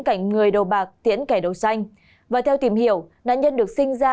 cảnh người đầu bạc tiễn kẻ đầu xanh và theo tìm hiểu nạn nhân được sinh ra